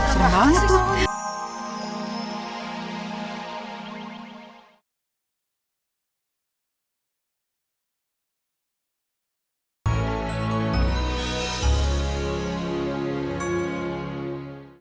serem banget tuh